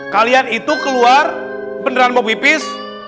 kalian itu keluar beneran mau pipis